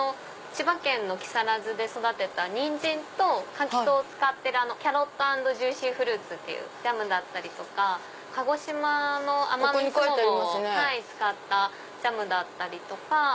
千葉県の木更津で育てたニンジンとかんきつを使ってるキャロット＆ジューシーフルーツっていうジャムだったり鹿児島の奄美すももを使ったジャムだったりとか。